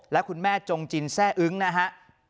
และคุณแม่จงจินแซ่อึ้งนะฮะ